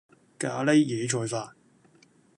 咖喱野菜飯